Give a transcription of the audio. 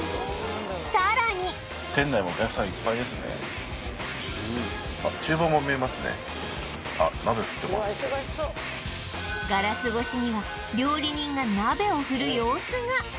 さらにガラス越しには料理人が鍋を振る様子が！